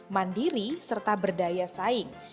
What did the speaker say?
mandiri serta berdaya saing